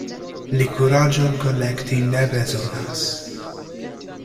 Li kuraĝon kolekti ne bezonas.